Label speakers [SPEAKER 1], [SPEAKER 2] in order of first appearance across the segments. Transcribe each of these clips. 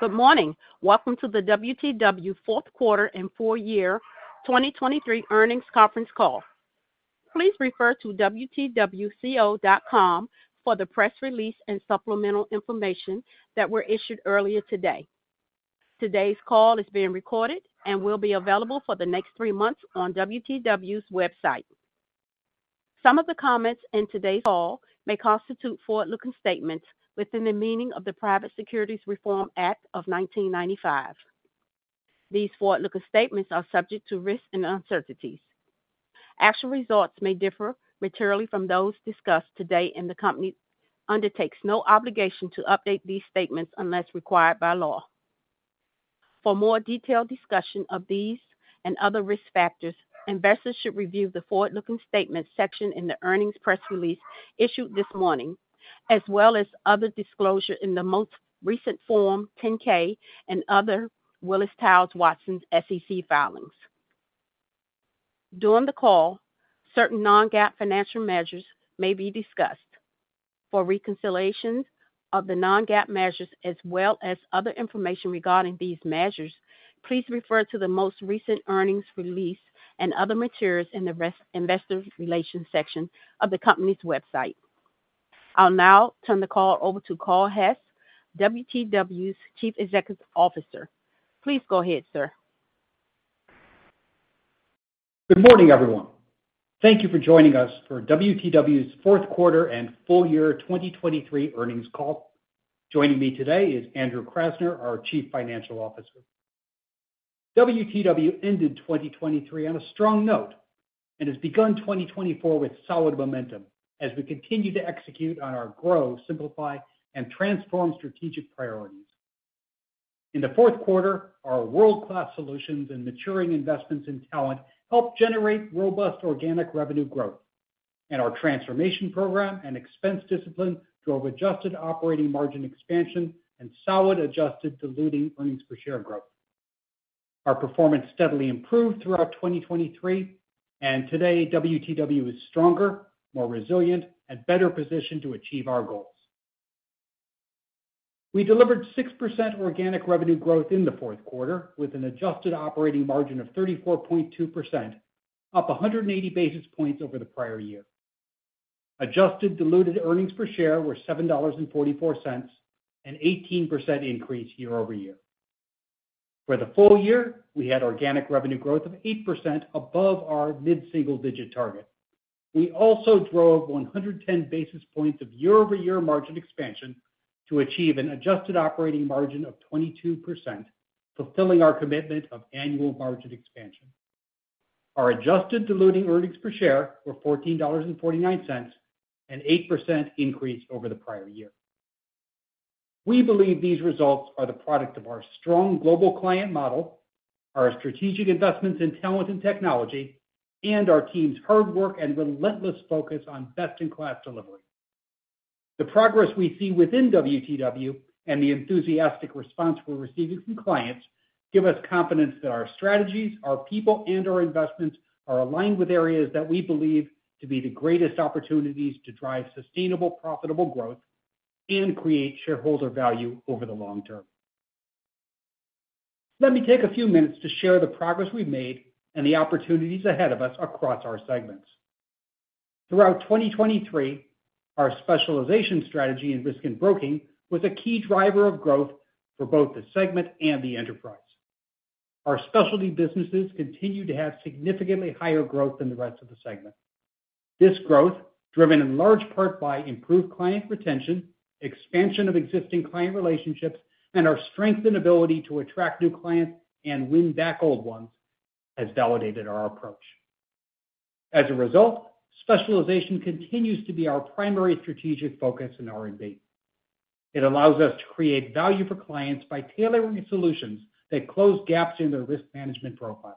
[SPEAKER 1] Good morning. Welcome to the WTW fourth quarter and full year 2023 earnings conference call. Please refer to wtwco.com for the press release and supplemental information that were issued earlier today. Today's call is being recorded and will be available for the next 3 months on WTW's website. Some of the comments in today's call may constitute forward-looking statements within the meaning of the Private Securities Litigation Reform Act of 1995. These forward-looking statements are subject to risks and uncertainties. Actual results may differ materially from those discussed today, and the Company undertakes no obligation to update these statements unless required by law. For more detailed discussion of these and other risk factors, investors should review the forward-looking statement section in the earnings press release issued this morning, as well as other disclosure in the most recent Form 10-K and other Willis Towers Watson SEC filings. During the call, certain non-GAAP financial measures may be discussed. For reconciliations of the non-GAAP measures as well as other information regarding these measures, please refer to the most recent earnings release and other materials in the Investor Relations section of the Company's website. I'll now turn the call over to Carl Hess, WTW's Chief Executive Officer. Please go ahead, sir.
[SPEAKER 2] Good morning, everyone. Thank you for joining us for WTW's fourth quarter and full year 2023 earnings call. Joining me today is Andrew Krasner, our Chief Financial Officer. WTW ended 2023 on a strong note and has begun 2024 with solid momentum as we continue to execute on our grow, simplify, and transform strategic priorities. In the fourth quarter, our world-class solutions and maturing investments in talent helped generate robust organic revenue growth, and our transformation program and expense discipline drove adjusted operating margin expansion and solid adjusted diluted earnings per share growth. Our performance steadily improved throughout 2023, and today WTW is stronger, more resilient, and better positioned to achieve our goals. We delivered 6% organic revenue growth in the fourth quarter, with an adjusted operating margin of 34.2%, up 180 basis points over the prior year. Adjusted diluted earnings per share were $7.44, an 18% increase year-over-year. For the full year, we had organic revenue growth of 8% above our mid-single-digit target. We also drove 110 basis points of year-over-year margin expansion to achieve an adjusted operating margin of 22%, fulfilling our commitment of annual margin expansion. Our adjusted diluted earnings per share were $14.49, an 8% increase over the prior year. We believe these results are the product of our strong global client model, our strategic investments in talent and technology, and our team's hard work and relentless focus on best-in-class delivery. The progress we see within WTW and the enthusiastic response we're receiving from clients give us confidence that our strategies, our people, and our investments are aligned with areas that we believe to be the greatest opportunities to drive sustainable, profitable growth and create shareholder value over the long term. Let me take a few minutes to share the progress we've made and the opportunities ahead of us across our segments. Throughout 2023, our specialization strategy in Risk and Broking was a key driver of growth for both the segment and the enterprise. Our specialty businesses continue to have significantly higher growth than the rest of the segment. This growth, driven in large part by improved client retention, expansion of existing client relationships, and our strength and ability to attract new clients and win back old ones, has validated our approach. As a result, specialization continues to be our primary strategic focus in R&B. It allows us to create value for clients by tailoring solutions that close gaps in their risk management profiles.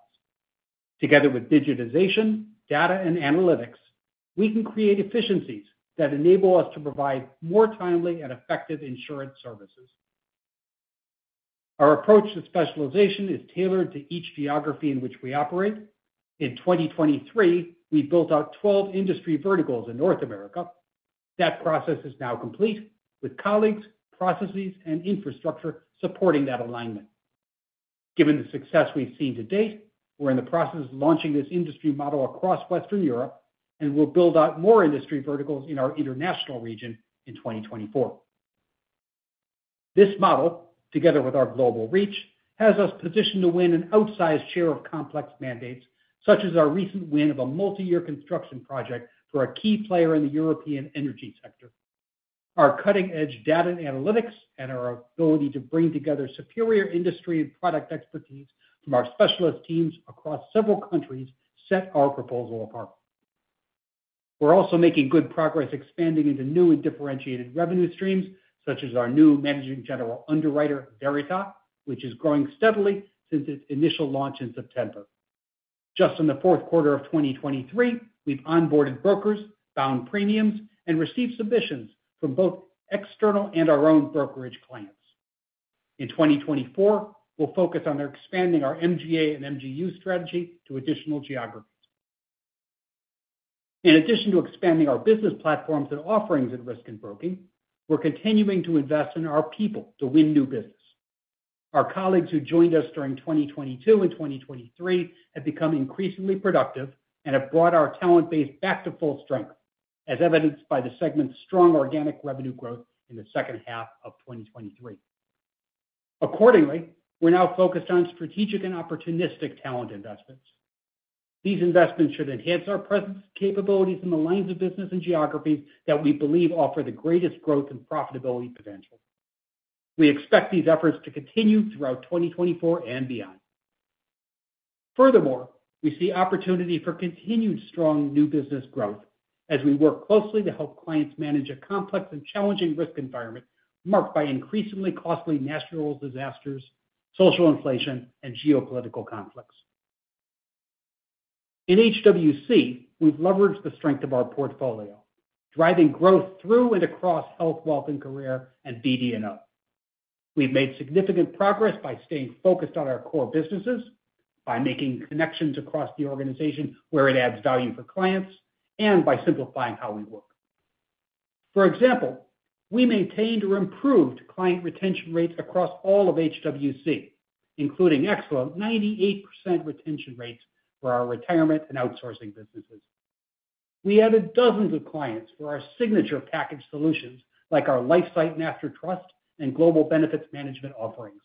[SPEAKER 2] Together with digitization, data, and analytics, we can create efficiencies that enable us to provide more timely and effective insurance services. Our approach to specialization is tailored to each geography in which we operate. In 2023, we built out 12 industry verticals in North America. That process is now complete, with colleagues, processes, and infrastructure supporting that alignment. Given the success we've seen to date, we're in the process of launching this industry model across Western Europe, and we'll build out more industry verticals in our International region in 2024. This model, together with our global reach, has us positioned to win an outsized share of complex mandates, such as our recent win of a multi-year construction project for a key player in the European energy sector. Our cutting-edge data and analytics and our ability to bring together superior industry and product expertise from our specialist teams across several countries set our proposal apart. We're also making good progress expanding into new and differentiated revenue streams, such as our new managing general underwriter, Verita, which is growing steadily since its initial launch in September. Just in the fourth quarter of 2023, we've onboarded brokers, bound premiums, and received submissions from both external and our own brokerage clients. In 2024, we'll focus on expanding our MGA and MGU strategy to additional geographies.... In addition to expanding our business platforms and offerings in Risk and Broking, we're continuing to invest in our people to win new business. Our colleagues who joined us during 2022 and 2023 have become increasingly productive and have brought our talent base back to full strength, as evidenced by the segment's strong organic revenue growth in the second half of 2023. Accordingly, we're now focused on strategic and opportunistic talent investments. These investments should enhance our presence, capabilities in the lines of business and geographies that we believe offer the greatest growth and profitability potential. We expect these efforts to continue throughout 2024 and beyond. Furthermore, we see opportunity for continued strong new business growth as we work closely to help clients manage a complex and challenging risk environment marked by increasingly costly natural disasters, social inflation, and geopolitical conflicts. In HWC, we've leveraged the strength of our portfolio, driving growth through and across Health, Wealth, and Career, and BDO. We've made significant progress by staying focused on our core businesses, by making connections across the organization where it adds value for clients, and by simplifying how we work. For example, we maintained or improved client retention rates across all of HWC, including excellent 98% retention rates for our Retirement and outsourcing businesses. We added dozens of clients for our signature package solutions, like our LifeSight Master Trust and Global Benefits Management offerings.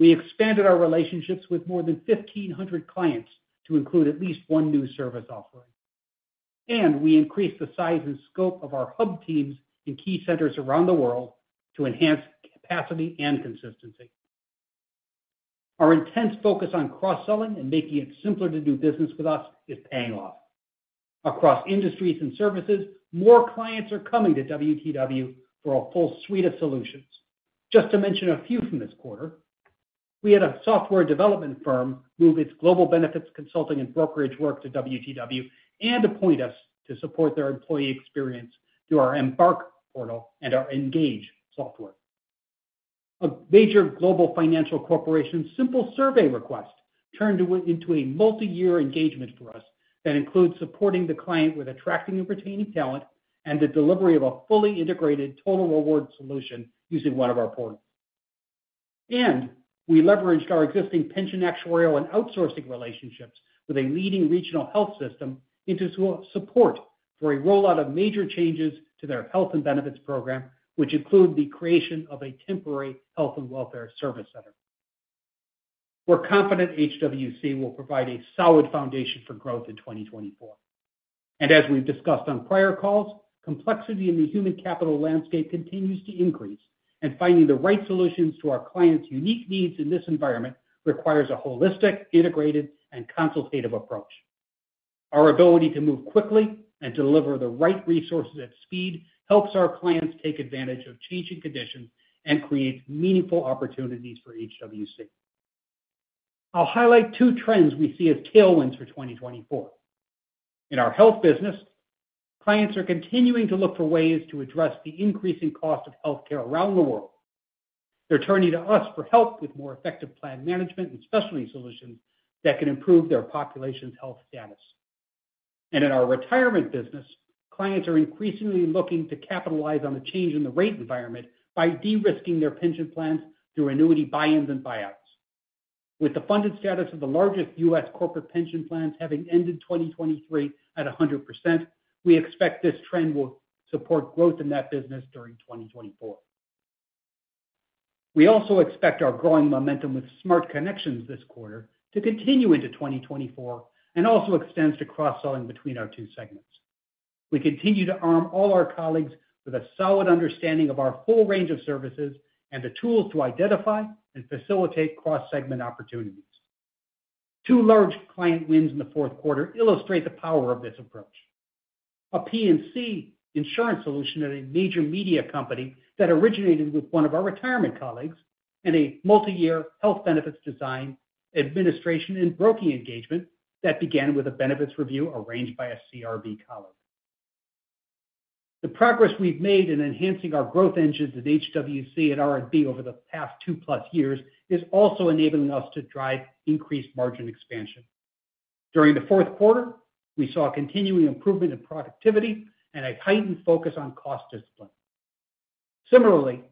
[SPEAKER 2] We expanded our relationships with more than 1,500 clients to include at least one new service offering, and we increased the size and scope of our hub teams in key centers around the world to enhance capacity and consistency. Our intense focus on cross-selling and making it simpler to do business with us is paying off. Across industries and services, more clients are coming to WTW for our full suite of solutions. Just to mention a few from this quarter, we had a software development firm move its global benefits, consulting, and brokerage work to WTW and appoint us to support their employee experience through our Embark portal and our Engage software. A major global financial corporation's simple survey request turned into a multiyear engagement for us that includes supporting the client with attracting and retaining talent and the delivery of a fully integrated Total Rewards solution using one of our portals. We leveraged our existing pension, actuarial, and outsourcing relationships with a leading regional health system into support for a rollout of major changes to their health and benefits program, which include the creation of a temporary health and welfare service center. We're confident HWC will provide a solid foundation for growth in 2024. As we've discussed on prior calls, complexity in the human capital landscape continues to increase, and finding the right solutions to our clients' unique needs in this environment requires a holistic, integrated, and consultative approach. Our ability to move quickly and deliver the right resources at speed helps our clients take advantage of changing conditions and creates meaningful opportunities for HWC. I'll highlight two trends we see as tailwinds for 2024. In our Health business, clients are continuing to look for ways to address the increasing cost of healthcare around the world. They're turning to us for help with more effective plan management and specialty solutions that can improve their population's health status. In our Retirement business, clients are increasingly looking to capitalize on the change in the rate environment by de-risking their pension plans through annuity buy-ins and buyouts. With the funded status of the largest U.S. corporate pension plans having ended 2023 at 100%, we expect this trend will support growth in that business during 2024. We also expect our growing momentum with Smart Connections this quarter to continue into 2024 and also extends to cross-selling between our two segments. We continue to arm all our colleagues with a solid understanding of our full range of services and the tools to identify and facilitate cross-segment opportunities. 2 large client wins in the fourth quarter illustrate the power of this approach. A P&C insurance solution at a major media company that originated with one of our Retirement colleagues, and a multiyear Health benefits design, administration, and broking engagement that began with a benefits review arranged by a CRB colleague. The progress we've made in enhancing our growth engines at HWC and R&B over the past two-plus years is also enabling us to drive increased margin expansion. During the fourth quarter, we saw a continuing improvement in productivity and a heightened focus on cost discipline. Similarly,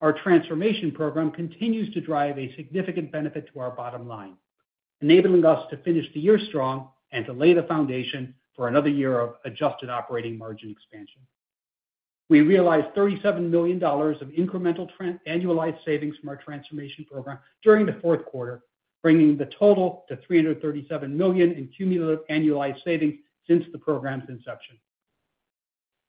[SPEAKER 2] our transformation program continues to drive a significant benefit to our bottom line, enabling us to finish the year strong and to lay the foundation for another year of adjusted operating margin expansion. We realized $37 million of incremental trend-annualized savings from our transformation program during the fourth quarter, bringing the total to $337 million in cumulative annualized savings since the program's inception.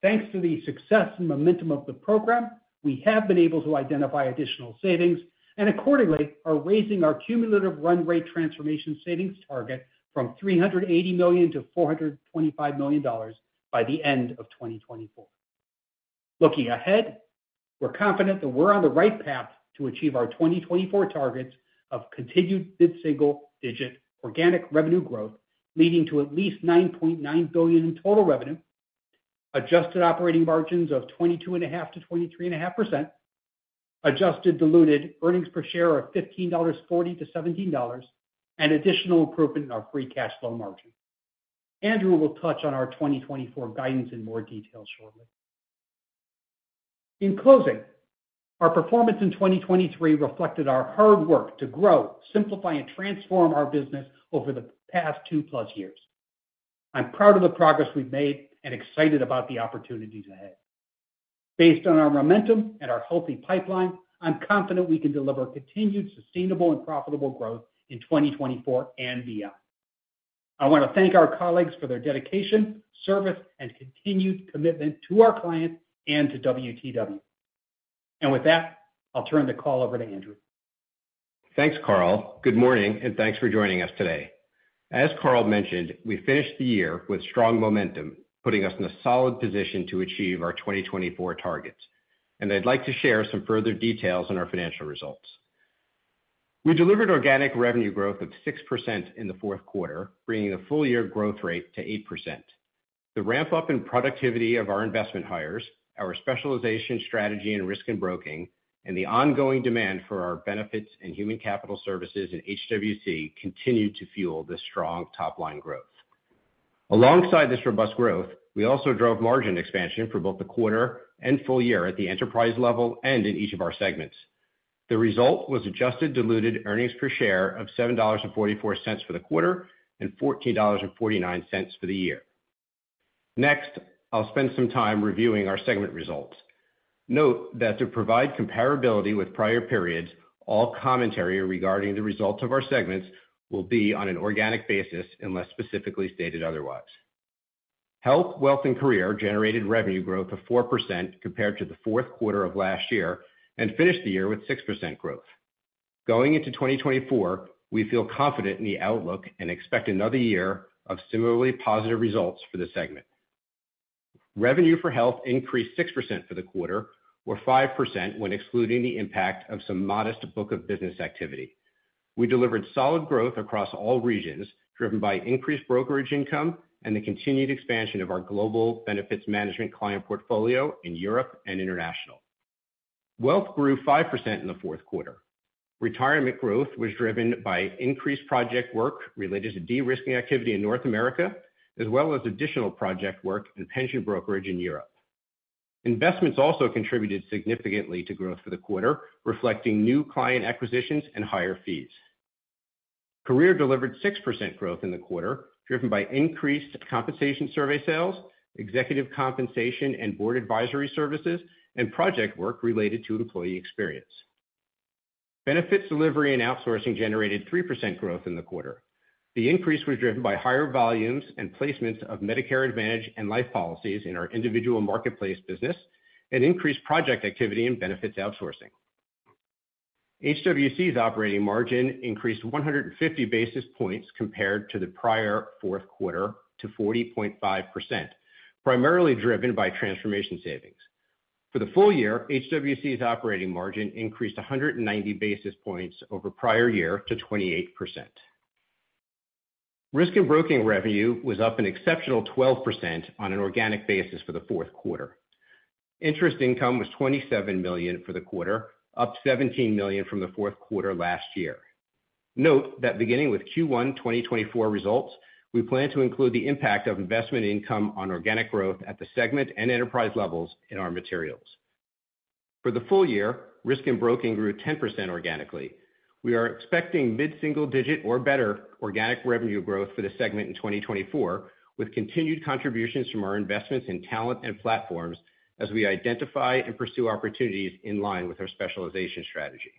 [SPEAKER 2] Thanks to the success and momentum of the program, we have been able to identify additional savings and accordingly are raising our cumulative run-rate transformation savings target from $380 million to $425 million by the end of 2024. Looking ahead, we're confident that we're on the right path to achieve our 2024 targets of continued mid-single-digit organic revenue growth, leading to at least $9.9 billion in total revenue, Adjusted Operating Margins of 22.5%-23.5%, Adjusted Diluted Earnings Per Share of $15.40-$17, and additional improvement in our free cash flow margin. Andrew will touch on our 2024 guidance in more detail shortly. In closing, our performance in 2023 reflected our hard work to grow, simplify, and transform our business over the past 2+ years. I'm proud of the progress we've made and excited about the opportunities ahead. Based on our momentum and our healthy pipeline, I'm confident we can deliver continued sustainable and profitable growth in 2024 and beyond. I want to thank our colleagues for their dedication, service, and continued commitment to our clients and to WTW. With that, I'll turn the call over to Andrew.
[SPEAKER 3] Thanks, Carl. Good morning, and thanks for joining us today. As Carl mentioned, we finished the year with strong momentum, putting us in a solid position to achieve our 2024 targets, and I'd like to share some further details on our financial results. We delivered organic revenue growth of 6% in the fourth quarter, bringing the full year growth rate to 8%. The ramp-up in productivity of our investment hires, our specialization strategy in Risk and Broking, and the ongoing demand for our benefits and human capital services in HWC, continued to fuel the strong top-line growth. Alongside this robust growth, we also drove margin expansion for both the quarter and full year at the enterprise level and in each of our segments. The result was adjusted diluted earnings per share of $7.44 for the quarter and $14.49 for the year. Next, I'll spend some time reviewing our segment results. Note that to provide comparability with prior periods, all commentary regarding the results of our segments will be on an organic basis unless specifically stated otherwise. Health, Wealth, and Career generated revenue growth of 4% compared to the fourth quarter of last year and finished the year with 6% growth. Going into 2024, we feel confident in the outlook and expect another year of similarly positive results for the segment. Revenue for Health increased 6% for the quarter, or 5% when excluding the impact of some modest book of business activity. We delivered solid growth across all regions, driven by increased brokerage income and the continued expansion of our global benefits management client portfolio in Europe and International. Wealth grew 5% in the fourth quarter. Retirement growth was driven by increased project work related to de-risking activity in North America, as well as additional project work and pension brokerage in Europe. Investments also contributed significantly to growth for the quarter, reflecting new client acquisitions and higher fees. Career delivered 6% growth in the quarter, driven by increased compensation survey sales, executive compensation and board advisory services, and project work related to employee experience. Benefits Delivery and Outsourcing generated 3% growth in the quarter. The increase was driven by higher volumes and placements of Medicare Advantage and life policies in our Individual Marketplace business and increased project activity in Benefits Outsourcing. HWC's operating margin increased 150 basis points compared to the prior fourth quarter to 40.5%, primarily driven by transformation savings. For the full year, HWC's operating margin increased 190 basis points over prior year to 28%. Risk and broking revenue was up an exceptional 12% on an organic basis for the fourth quarter. Interest income was $27 million for the quarter, up $17 million from the fourth quarter last year. Note that beginning with Q1 2024 results, we plan to include the impact of investment income on organic growth at the segment and enterprise levels in our materials. For the full year, Risk and Broking grew 10% organically. We are expecting mid-single-digit or better organic revenue growth for the segment in 2024, with continued contributions from our investments in talent and platforms as we identify and pursue opportunities in line with our specialization strategy.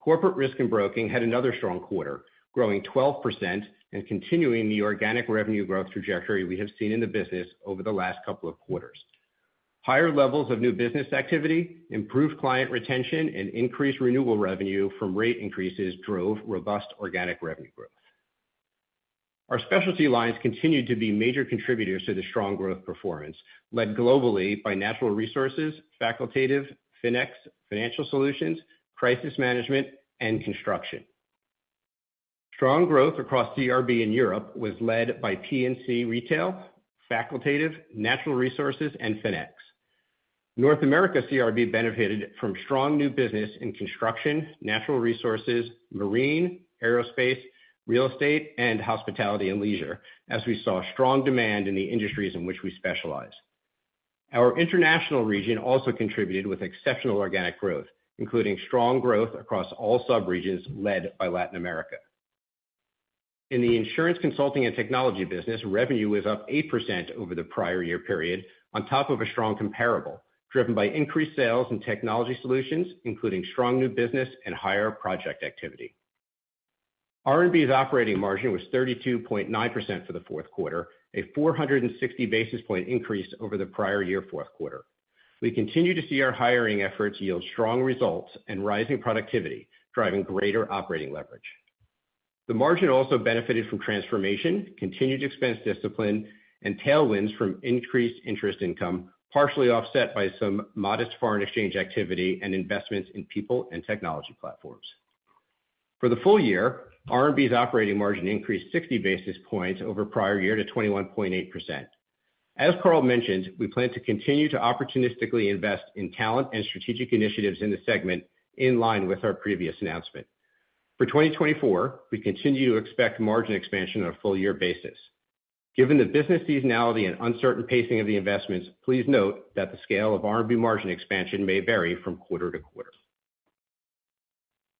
[SPEAKER 3] Corporate Risk and Broking had another strong quarter, growing 12% and continuing the organic revenue growth trajectory we have seen in the business over the last couple of quarters. Higher levels of new business activity, improved client retention, and increased renewable revenue from rate increases drove robust organic revenue growth. Our Specialty Lines continued to be major contributors to the strong growth performance, led globally by Natural Resources, Facultative, FINEX, Financial Solutions, Crisis Management, and Construction. Strong growth across CRB in Europe was led by P&C Retail, Facultative, Natural Resources, and FINEX. North America CRB benefited from strong new business in Construction, Natural Resources, Marine, Aerospace, Real Estate, and Hospitality and Leisure, as we saw strong demand in the industries in which we specialize. Our international region also contributed with exceptional organic growth, including strong growth across all sub-regions led by Latin America. In the Insurance Consulting and Technology business, revenue was up 8% over the prior year period, on top of a strong comparable, driven by increased sales and technology solutions, including strong new business and higher project activity. R&B's operating margin was 32.9% for the fourth quarter, a 460 basis point increase over the prior year fourth quarter. We continue to see our hiring efforts yield strong results and rising productivity, driving greater operating leverage. The margin also benefited from transformation, continued expense discipline, and tailwinds from increased interest income, partially offset by some modest foreign exchange activity and investments in people and technology platforms. For the full year, R&B's operating margin increased 60 basis points over prior year to 21.8%. As Carl mentioned, we plan to continue to opportunistically invest in talent and strategic initiatives in the segment, in line with our previous announcement. For 2024, we continue to expect margin expansion on a full year basis. Given the business seasonality and uncertain pacing of the investments, please note that the scale of R&B margin expansion may vary from quarter to quarter.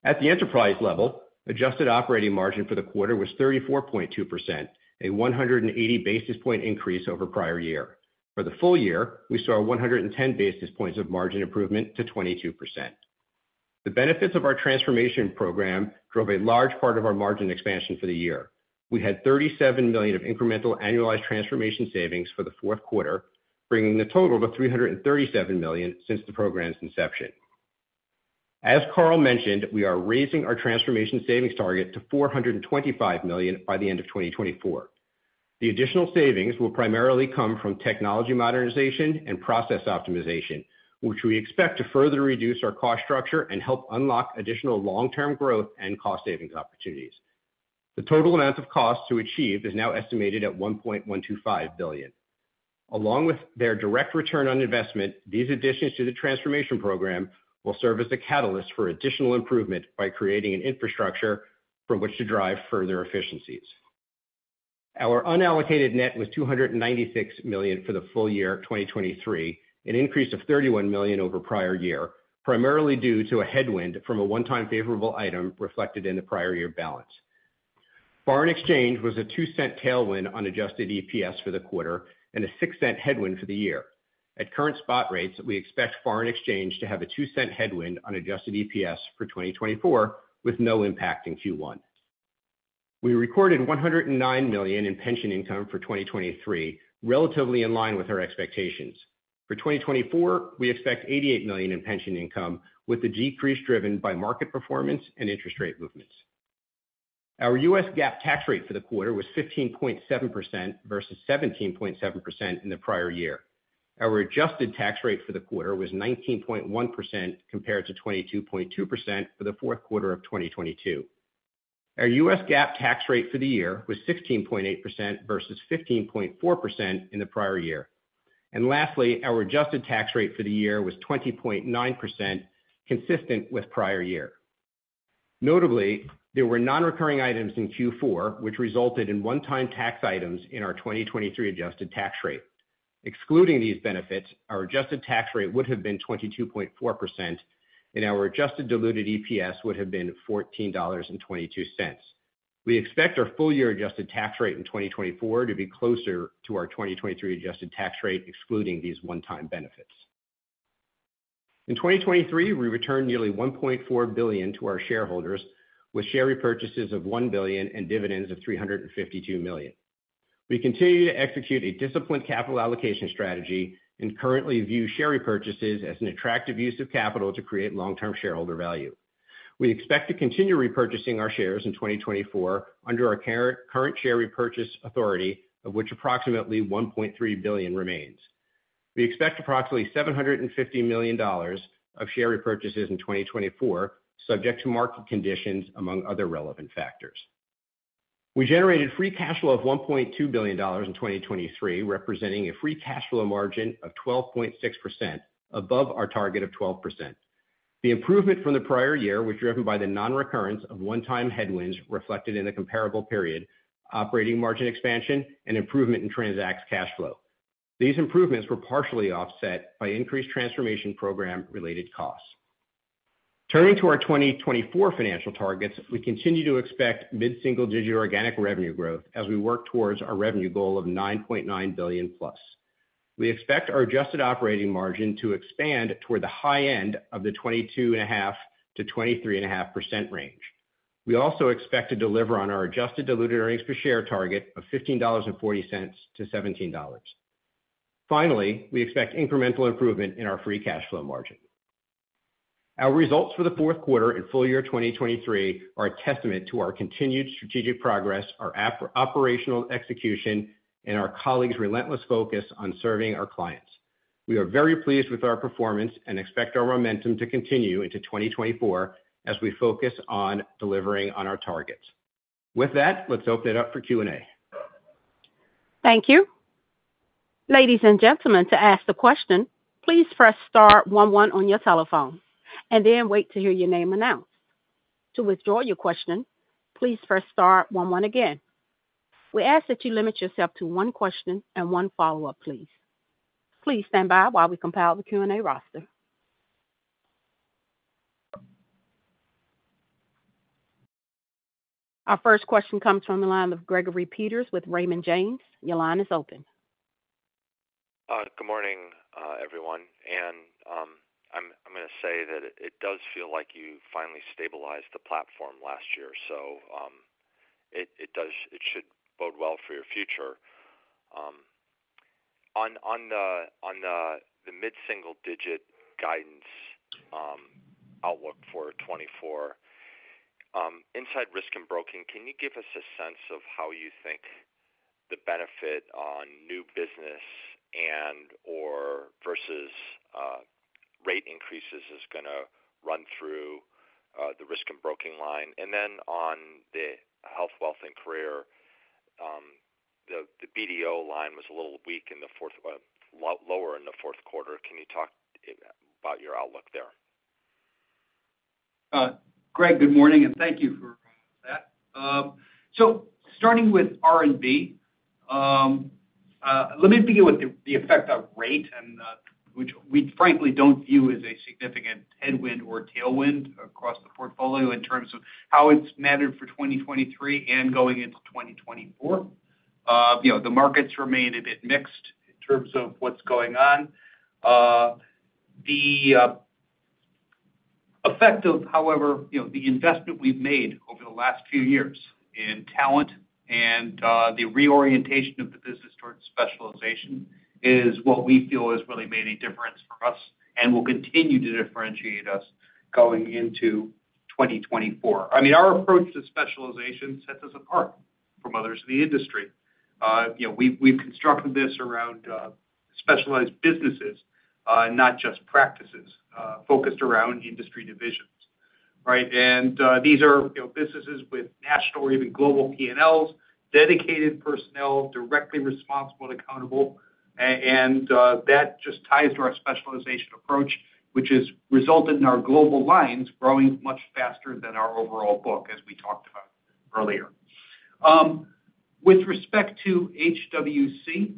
[SPEAKER 3] At the enterprise level, adjusted operating margin for the quarter was 34.2%, a 180 basis point increase over prior year. For the full year, we saw 110 basis points of margin improvement to 22%. The benefits of our transformation program drove a large part of our margin expansion for the year. We had $37 million of incremental annualized transformation savings for the fourth quarter, bringing the total to $337 million since the program's inception. As Carl mentioned, we are raising our transformation savings target to $425 million by the end of 2024. The additional savings will primarily come from technology modernization and process optimization, which we expect to further reduce our cost structure and help unlock additional long-term growth and cost savings opportunities. The total amount of costs to achieve is now estimated at $1.125 billion. Along with their direct return on investment, these additions to the transformation program will serve as a catalyst for additional improvement by creating an infrastructure from which to drive further efficiencies. Our unallocated net was $296 million for the full year of 2023, an increase of $31 million over prior year, primarily due to a headwind from a one-time favorable item reflected in the prior year balance. Foreign exchange was a 2-cent tailwind on adjusted EPS for the quarter and a 6-cent headwind for the year. At current spot rates, we expect foreign exchange to have a 2-cent headwind on adjusted EPS for 2024, with no impact in Q1. We recorded $109 million in pension income for 2023, relatively in line with our expectations. For 2024, we expect $88 million in pension income, with the decrease driven by market performance and interest rate movements. Our U.S. GAAP tax rate for the quarter was 15.7% versus 17.7% in the prior year. Our adjusted tax rate for the quarter was 19.1%, compared to 22.2% for the fourth quarter of 2022. Our U.S. GAAP tax rate for the year was 16.8% versus 15.4% in the prior year. And lastly, our adjusted tax rate for the year was 20.9%, consistent with prior year. Notably, there were non-recurring items in Q4, which resulted in one-time tax items in our 2023 adjusted tax rate. Excluding these benefits, our adjusted tax rate would have been 22.4%, and our adjusted diluted EPS would have been $14.22. We expect our full year adjusted tax rate in 2024 to be closer to our 2023 adjusted tax rate, excluding these one-time benefits. In 2023, we returned nearly $1.4 billion to our shareholders, with share repurchases of $1 billion and dividends of $352 million. We continue to execute a disciplined capital allocation strategy and currently view share repurchases as an attractive use of capital to create long-term shareholder value. We expect to continue repurchasing our shares in 2024 under our current share repurchase authority, of which approximately $1.3 billion remains. We expect approximately $750 million of share repurchases in 2024, subject to market conditions, among other relevant factors. We generated Free Cash Flow of $1.2 billion in 2023, representing a Free Cash Flow margin of 12.6% above our target of 12%. The improvement from the prior year was driven by the non-recurrence of one-time headwinds reflected in the comparable period, operating margin expansion and improvement in Transact's cash flow. These improvements were partially offset by increased transformation program related costs. Turning to our 2024 financial targets, we continue to expect mid-single digit organic revenue growth as we work towards our revenue goal of 9.9 billion+. We expect our adjusted operating margin to expand toward the high end of the 22.5%-23.5% range. We also expect to deliver on our Adjusted Diluted Earnings Per Share target of $15.40-$17. Finally, we expect incremental improvement in our free cash flow margin. Our results for the fourth quarter and full year 2023 are a testament to our continued strategic progress, our operational execution, and our colleagues' relentless focus on serving our clients. We are very pleased with our performance and expect our momentum to continue into 2024 as we focus on delivering on our targets. With that, let's open it up for Q&A.
[SPEAKER 1] Thank you. Ladies and gentlemen, to ask a question, please press star one one on your telephone and then wait to hear your name announced. To withdraw your question, please press star one one again. We ask that you limit yourself to one question and one follow-up, please. Please stand by while we compile the Q&A roster. Our first question comes from the line of Gregory Peters with Raymond James. Your line is open.
[SPEAKER 4] Good morning, everyone. I'm gonna say that it does feel like you finally stabilized the platform last year, so, it does—it should bode well for your future. On the mid-single-digit guidance outlook for 2024, inside Risk and Broking, can you give us a sense of how you think the benefit on new business and/or versus rate increases is going to run through the Risk and Broking line. And then on the Health, Wealth, and Career, the BDO line was a little weak in the fourth, a lot lower in the fourth quarter. Can you talk about your outlook there?
[SPEAKER 2] Greg, good morning, and thank you for that. So starting with R&B, let me begin with the effect of rate and which we frankly don't view as a significant headwind or tailwind across the portfolio in terms of how it's mattered for 2023 and going into 2024. You know, the markets remain a bit mixed in terms of what's going on. However, you know, the investment we've made over the last few years in talent and the reorientation of the business towards specialization is what we feel has really made a difference for us and will continue to differentiate us going into 2024. I mean, our approach to specialization sets us apart from others in the industry. You know, we've constructed this around specialized businesses, not just practices, focused around industry divisions, right? That just ties to our specialization approach, which has resulted in our global lines growing much faster than our overall book, as we talked about earlier. With respect to HWC,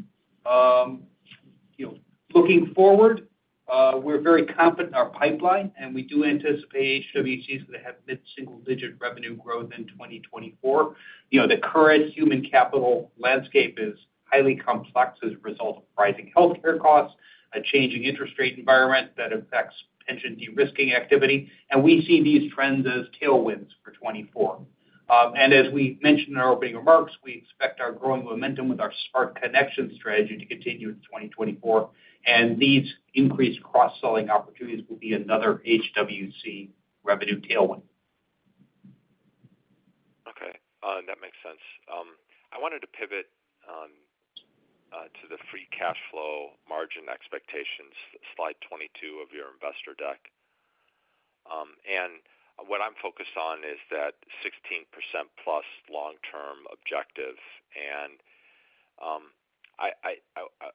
[SPEAKER 2] you know, looking forward, we're very confident in our pipeline, and we do anticipate HWC is going to have mid-single-digit revenue growth in 2024. You know, the current human capital landscape is highly complex as a result of rising healthcare costs, a changing interest rate environment that affects pension de-risking activity, and we see these trends as tailwinds for 2024. As we mentioned in our opening remarks, we expect our growing momentum with our Smart Connections strategy to continue in 2024, and these increased cross-selling opportunities will be another HWC revenue tailwind.
[SPEAKER 4] Okay, that makes sense. I wanted to pivot on, to the Free Cash Flow margin expectations, slide 22 of your investor deck. And what I'm focused on is that 16%+ long-term objective. And, I, I, I, I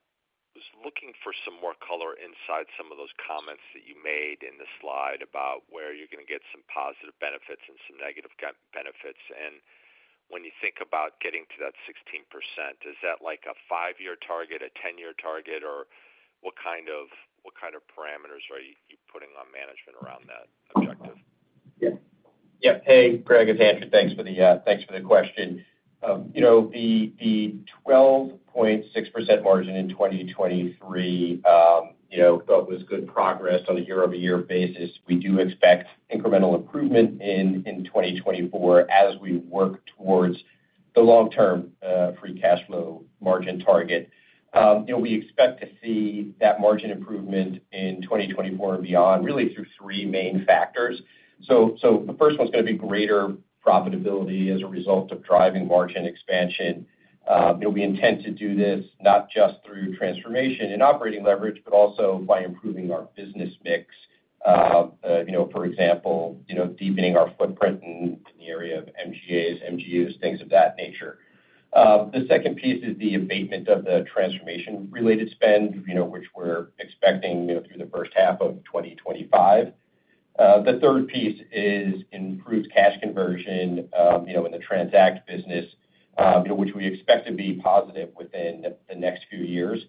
[SPEAKER 4] was looking for some more color inside some of those comments that you made in the slide about where you're going to get some positive benefits and some negative benefits. And when you think about getting to that 16%, is that like a 5-year target, a 10-year target, or what kind of, what kind of parameters are you, you putting on management around that objective?
[SPEAKER 3] Yeah. Hey, Greg, it's Andrew. Thanks for the, thanks for the question. You know, the twelve point six percent margin in twenty twenty-three, you know, thought was good progress on a year-over-year basis. We do expect incremental improvement in twenty twenty-four as we work towards the long-term free cash flow margin target. You know, we expect to see that margin improvement in twenty twenty-four and beyond, really through three main factors. So the first one is going to be greater profitability as a result of driving margin expansion. It'll be intent to do this not just through transformation and operating leverage, but also by improving our business mix. You know, for example, you know, deepening our footprint in the area of MGAs, MGUs, things of that nature. The second piece is the abatement of the transformation-related spend, you know, which we're expecting, you know, through the first half of 2025. The third piece is improved cash conversion, you know, in the Transact business, you know, which we expect to be positive within the next few years.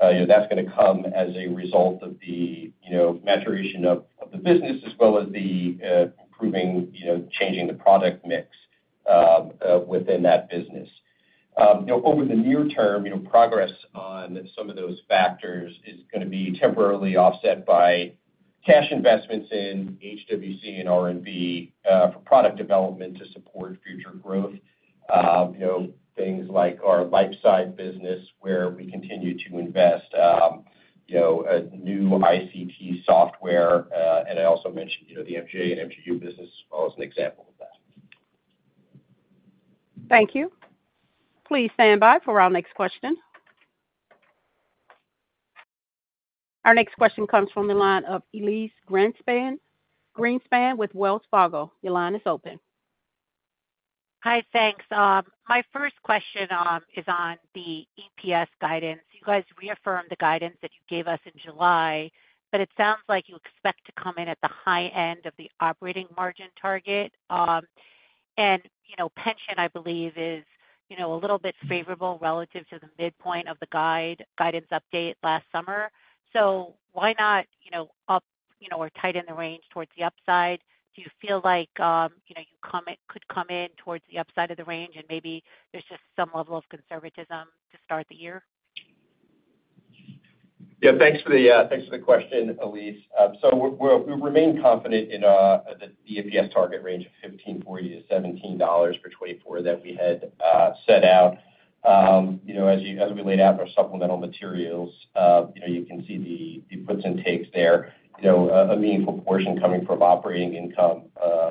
[SPEAKER 3] You know, that's going to come as a result of the, you know, maturation of the business, as well as the improving, you know, changing the product mix within that business. You know, over the near term, you know, progress on some of those factors is going to be temporarily offset by cash investments in HWC and R&B for product development to support future growth. You know, things like our LifeSight business, where we continue to invest, you know, a new ICT software, and I also mentioned, you know, the MGA and MGU business as well as an example of that.
[SPEAKER 1] Thank you. Please stand by for our next question. Our next question comes from the line of Elyse Greenspan, with Wells Fargo. Your line is open.
[SPEAKER 5] Hi, thanks. My first question is on the EPS guidance. You guys reaffirmed the guidance that you gave us in July, but it sounds like you expect to come in at the high end of the operating margin target. And you know, pension, I believe is, you know, a little bit favorable relative to the midpoint of the guidance update last summer. So why not, you know, up, you know, or tighten the range towards the upside? Do you feel like, you know, you could come in towards the upside of the range and maybe there's just some level of conservatism to start the year?
[SPEAKER 3] Yeah, thanks for the, thanks for the question, Elyse. So we're, we remain confident in the EPS target range of $15.40-$17 for 2024 that we had set out. You know, as we laid out our supplemental materials, you know, you can see the puts and takes there, you know, a meaningful portion coming from operating income....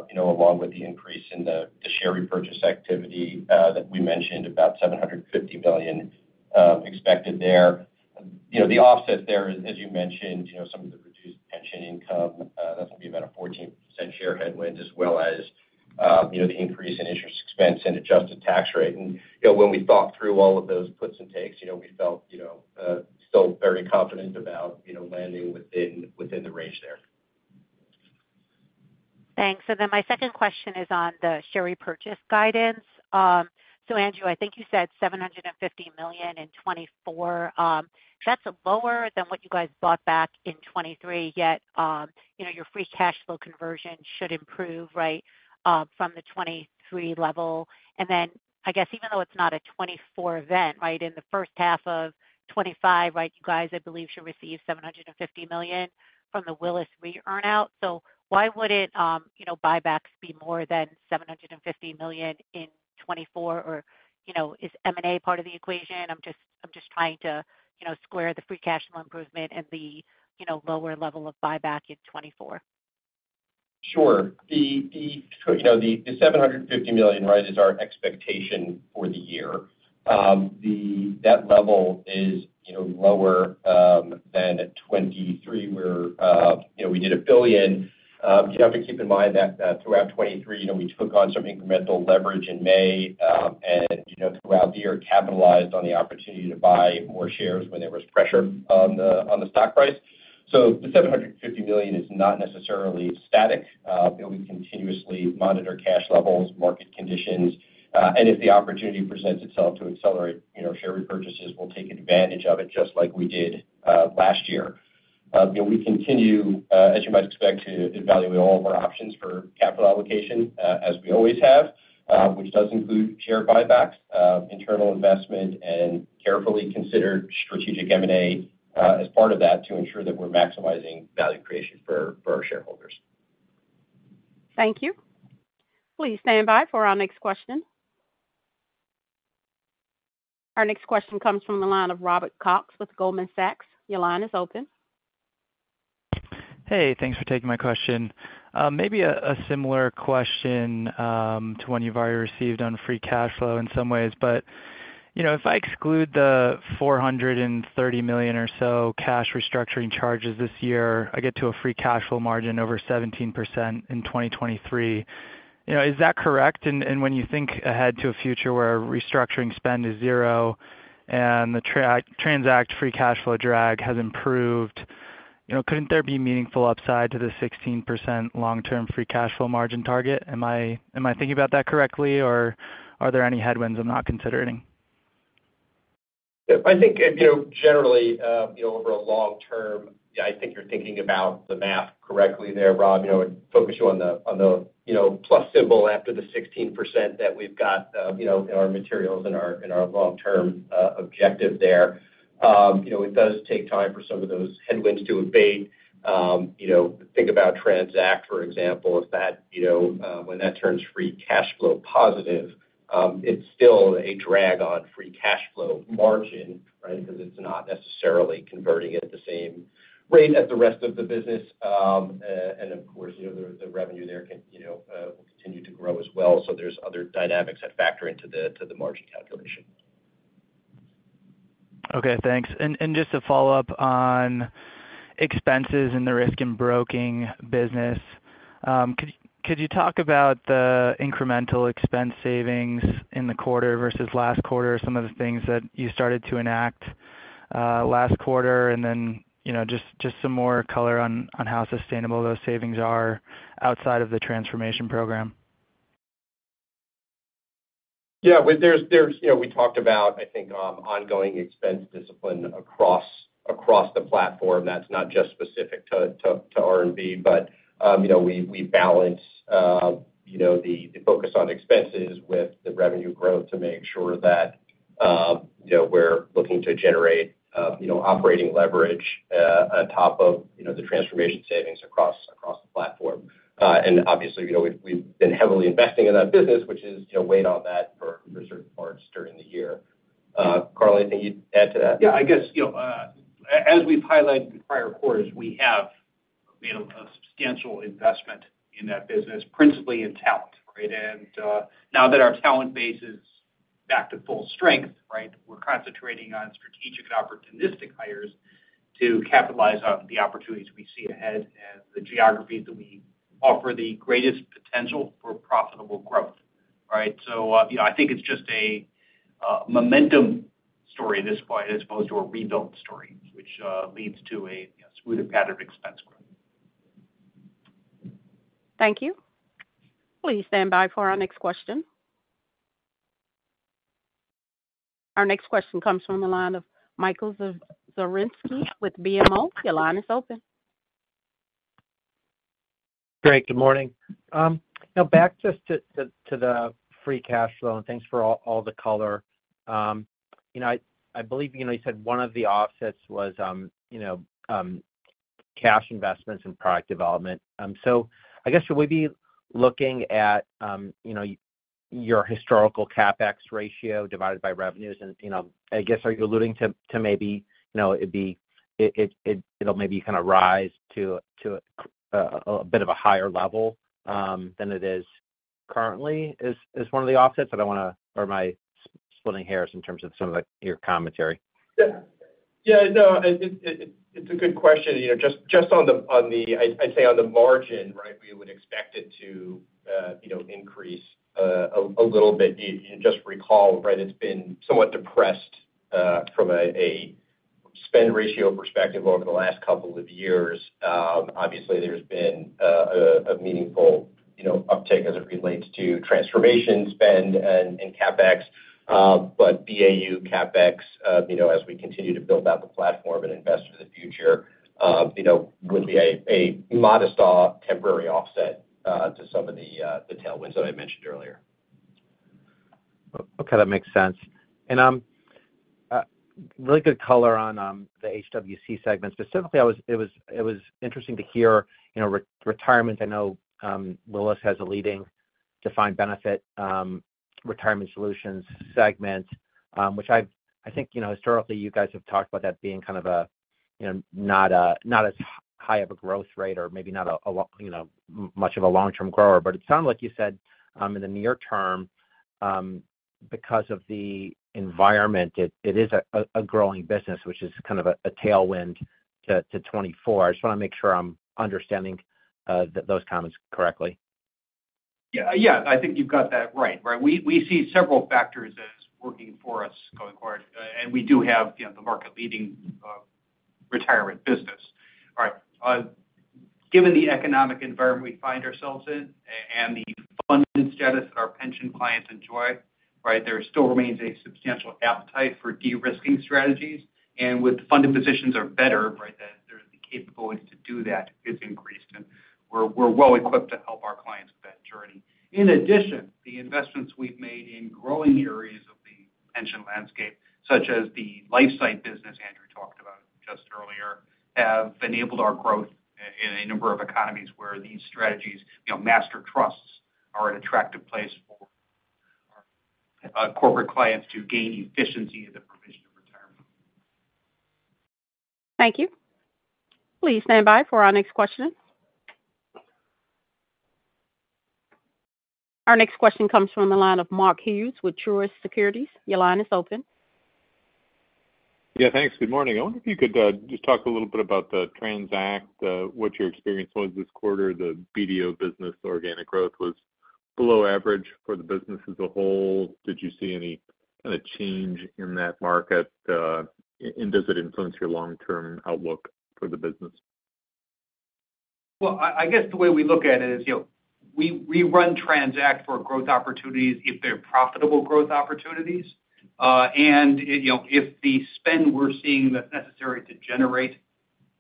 [SPEAKER 3] you know, along with the increase in the share repurchase activity that we mentioned, about $750 million expected there. You know, the offset there, as you mentioned, you know, some of the reduced pension income that's going to be about a 14% share headwind, as well as, you know, the increase in interest expense and adjusted tax rate. You know, when we thought through all of those puts and takes, you know, we felt, you know, still very confident about, you know, landing within the range there.
[SPEAKER 5] Thanks. So then my second question is on the share repurchase guidance. So Andrew, I think you said $750 million in 2024. That's lower than what you guys bought back in 2023, yet, you know, your free cash flow conversion should improve, right, from the 2023 level. And then, I guess, even though it's not a 2024 event, right, in the first half of 2025, right, you guys, I believe, should receive $750 million from the Willis Re earn out. So why would it, you know, buybacks be more than $750 million in 2024? Or, you know, is M&A part of the equation? I'm just, I'm just trying to, you know, square the free cash flow improvement and the, you know, lower level of buyback in 2024.
[SPEAKER 3] Sure. So, you know, the $750 million, right, is our expectation for the year. That level is, you know, lower than at 2023, where you know, we did $1 billion. But keep in mind that throughout 2023, you know, we took on some incremental leverage in May and, you know, throughout the year, capitalized on the opportunity to buy more shares when there was pressure on the stock price. So the $750 million is not necessarily static. You know, we continuously monitor cash levels, market conditions, and if the opportunity presents itself to accelerate, you know, share repurchases, we'll take advantage of it just like we did last year. You know, we continue, as you might expect, to evaluate all of our options for capital allocation, as we always have, which does include share buybacks, internal investment, and carefully considered strategic M&A, as part of that to ensure that we're maximizing value creation for, for our shareholders.
[SPEAKER 1] Thank you. Please stand by for our next question. Our next question comes from the line of Robert Cox with Goldman Sachs. Your line is open.
[SPEAKER 6] Hey, thanks for taking my question. Maybe a similar question to one you've already received on Free Cash Flow in some ways. But, you know, if I exclude the $430 million or so cash restructuring charges this year, I get to a Free Cash Flow margin over 17% in 2023. You know, is that correct? And when you think ahead to a future where restructuring spend is zero and the Transact Free Cash Flow drag has improved, you know, couldn't there be meaningful upside to the 16% long-term Free Cash Flow margin target? Am I thinking about that correctly, or are there any headwinds I'm not considering?
[SPEAKER 3] I think, you know, generally, you know, over a long term, I think you're thinking about the math correctly there, Rob. You know, I'd focus you on the, on the, you know, plus symbol after the 16% that we've got, you know, in our materials, in our, in our long-term objective there. You know, it does take time for some of those headwinds to abate. You know, think about Transact, for example, if that, you know. When that turns free cash flow positive, it's still a drag on free cash flow margin, right? Because it's not necessarily converting at the same rate as the rest of the business. And of course, you know, the, the revenue there can, you know, will continue to grow as well. So there's other dynamics that factor into the, to the margin calculation.
[SPEAKER 6] Okay, thanks. And just to follow up on expenses in the Risk and Broking business, could you talk about the incremental expense savings in the quarter versus last quarter, some of the things that you started to enact last quarter, and then, you know, just some more color on how sustainable those savings are outside of the transformation program?
[SPEAKER 3] Yeah, well, there's you know, we talked about, I think, ongoing expense discipline across the platform. That's not just specific to R&B, but you know, we balance you know, the focus on expenses with the revenue growth to make sure that you know, we're looking to generate you know, operating leverage on top of you know, the transformation savings across the platform. And obviously, you know, we've been heavily investing in that business, which is you know, weighed on that for certain parts during the year. Carl, anything you'd add to that?
[SPEAKER 2] Yeah, I guess, you know, as we've highlighted in prior quarters, we have made a substantial investment in that business, principally in talent, right? And, now that our talent base is back to full strength, right, we're concentrating on strategic and opportunistic hires to capitalize on the opportunities we see ahead and the geographies that we offer the greatest potential for profitable growth, right? So, you know, I think it's just a momentum story at this point, as opposed to a rebuild story, which, leads to a smoother pattern of expense growth.
[SPEAKER 1] Thank you. Please stand by for our next question. Our next question comes from the line of Michael Zaremski with BMO. Your line is open.
[SPEAKER 7] Great, good morning. Now back just to the Free Cash Flow, and thanks for all the color. You know, I believe you know you said one of the offsets was you know cash investments in product development. So I guess we'd be looking at you know- ... your historical CapEx ratio divided by revenues. You know, I guess, are you alluding to maybe, you know, it'd be it'll maybe kind of rise to a bit of a higher level than it is currently, is one of the offsets? I don't want to, or am I splitting hairs in terms of some of the your commentary?
[SPEAKER 2] Yeah. Yeah, no, it, it, it's a good question. You know, just, just on the, on the, I'd say on the margin, right, we would expect it to increase a little bit. If you just recall, right, it's been somewhat depressed from a spend ratio perspective over the last couple of years. Obviously, there's been a meaningful uptick as it relates to transformation spend and CapEx. But BAU CapEx, you know, as we continue to build out the platform and invest for the future, you know, would be a modest temporary offset to some of the tailwinds that I mentioned earlier.
[SPEAKER 7] Okay, that makes sense. And, really good color on the HWC segment. Specifically, it was interesting to hear, you know, Retirement. I know Willis has a leading defined benefit Retirement solutions segment, which I think, you know, historically, you guys have talked about that being kind of a, you know, not a, not as high of a growth rate or maybe not a, a, you know, much of a long-term grower. But it sounded like you said in the near term, because of the environment, it is a growing business, which is kind of a tailwind to 2024. I just want to make sure I'm understanding those comments correctly.
[SPEAKER 2] Yeah. Yeah, I think you've got that right. Right, we see several factors as working for us going forward, and we do have, you know, the market-leading Retirement business. All right, given the economic environment we find ourselves in and the funded status that our pension clients enjoy, right, there still remains a substantial appetite for de-risking strategies. And with funded positions are better, right, then there's the capability to do that is increased, and we're well equipped to help our clients with that journey. In addition, the investments we've made in growing areas of the pension landscape, such as the LifeSight business Andrew talked about just earlier, have enabled our growth in a number of economies where these strategies, you know, master trusts, are an attractive place for our corporate clients to gain efficiency in the provision of Retirement.
[SPEAKER 1] Thank you. Please stand by for our next question. Our next question comes from the line of Mark Hughes with Truist Securities. Your line is open.
[SPEAKER 8] Yeah, thanks. Good morning. I wonder if you could just talk a little bit about the Transact, what your experience was this quarter. The BDO business organic growth was below average for the business as a whole. Did you see any kind of change in that market, and does it influence your long-term outlook for the business?
[SPEAKER 2] Well, I guess the way we look at it is, you know, we run Transact for growth opportunities if they're profitable growth opportunities. And, you know, if the spend we're seeing that's necessary to generate,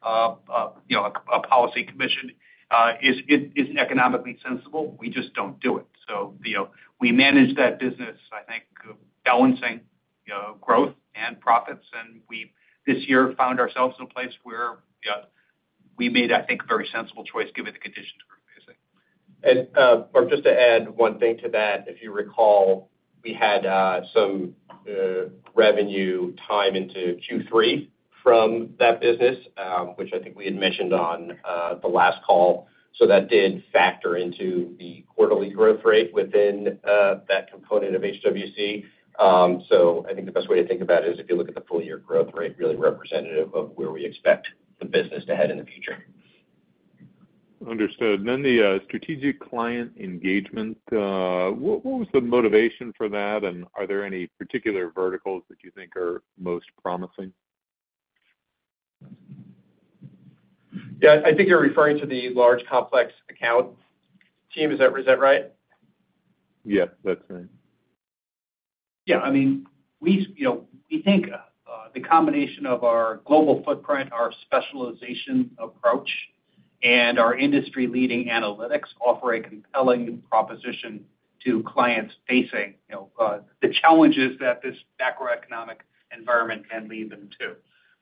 [SPEAKER 2] you know, a policy commission is economically sensible, we just don't do it. So, you know, we manage that business, I think, balancing growth and profits, and we've, this year, found ourselves in a place where we made, I think, a very sensible choice given the conditions we're facing.
[SPEAKER 3] And, Mark, just to add one thing to that, if you recall, we had some revenue time into Q3 from that business, which I think we had mentioned on the last call. So that did factor into the quarterly growth rate within that component of HWC. So I think the best way to think about it is if you look at the full year growth rate, really representative of where we expect the business to head in the future.
[SPEAKER 8] Understood. Then the strategic client engagement, what was the motivation for that, and are there any particular verticals that you think are most promising?
[SPEAKER 2] Yeah, I think you're referring to the large complex account team. Is that, is that right?
[SPEAKER 3] Yeah, that's right.
[SPEAKER 2] Yeah, I mean, we, you know, we think the combination of our global footprint, our specialization approach, and our industry-leading analytics offer a compelling proposition to clients facing, you know, the challenges that this macroeconomic environment can lead them to,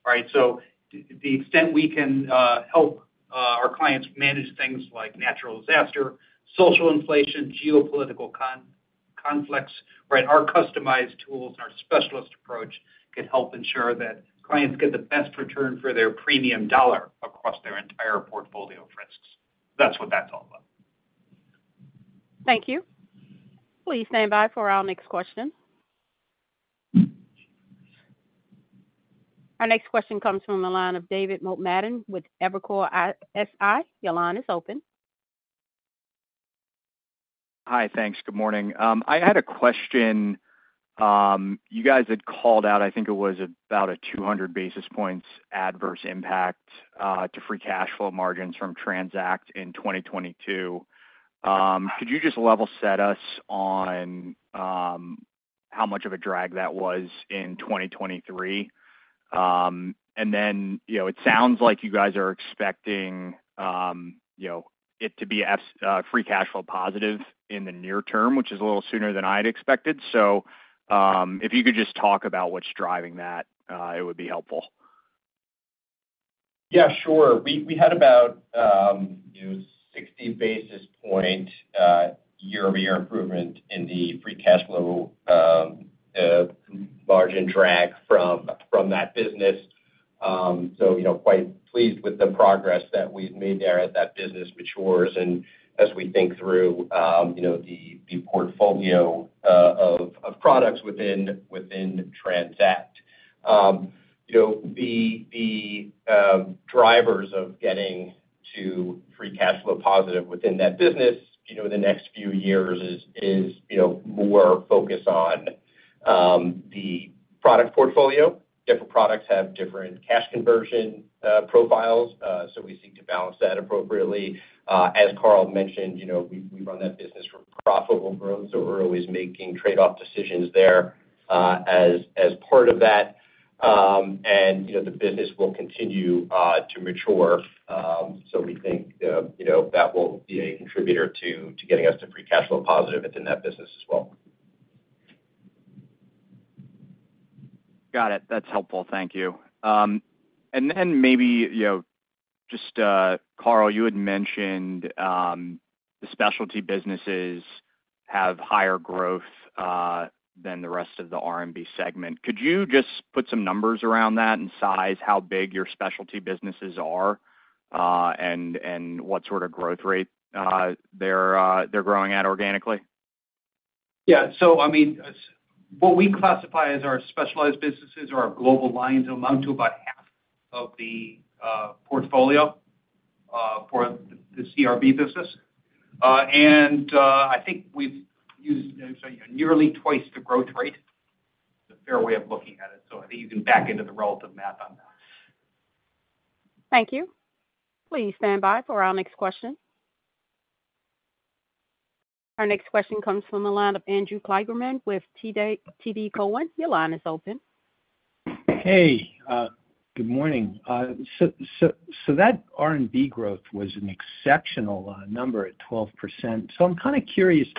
[SPEAKER 2] right? So the extent we can help our clients manage things like natural disaster, social inflation, geopolitical conflicts, right? Our customized tools and our specialist approach can help ensure that clients get the best return for their premium dollar across their entire portfolio of risks. That's what that's all about.
[SPEAKER 1] Thank you. Please stand by for our next question. Our next question comes from the line of David Motemaden with Evercore ISI. Your line is open.
[SPEAKER 9] Hi, thanks. Good morning. I had a question. You guys had called out, I think it was about 200 basis points adverse impact to Free Cash Flow margins from Transact in 2022. Could you just level set us on how much of a drag that was in 2023? And then, you know, it sounds like you guys are expecting, you know, it to be Free Cash Flow positive in the near term, which is a little sooner than I'd expected. So, if you could just talk about what's driving that, it would be helpful....
[SPEAKER 3] Yeah, sure. We had about, you know, 60 basis points year-over-year improvement in the free cash flow margin drag from that business. So, you know, quite pleased with the progress that we've made there as that business matures. And as we think through, you know, the portfolio of products within Transact. You know, the drivers of getting to free cash flow positive within that business, you know, the next few years is more focused on the product portfolio. Different products have different cash conversion profiles, so we seek to balance that appropriately. As Carl mentioned, you know, we run that business for profitable growth, so we're always making trade-off decisions there, as part of that. And, you know, the business will continue to mature, so we think, you know, that will be a contributor to getting us to Free Cash Flow positive within that business as well.
[SPEAKER 9] Got it. That's helpful. Thank you. And then maybe, you know, just, Carl, you had mentioned the specialty businesses have higher growth than the rest of the R&B segment. Could you just put some numbers around that and size how big your specialty businesses are, and what sort of growth rate they're growing at organically?
[SPEAKER 2] Yeah. So I mean, what we classify as our specialized businesses or our global lines amount to about half of the portfolio for the CRB business. And I think we've used so nearly twice the growth rate; it's a fair way of looking at it. So I think you can back into the relative math on that.
[SPEAKER 1] Thank you. Please stand by for our next question. Our next question comes from the line of Andrew Kligerman with TD Cowen. Your line is open.
[SPEAKER 10] Hey, good morning. So that R&B growth was an exceptional number at 12%. So I'm kind of curious,